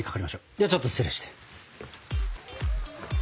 ではちょっと失礼して。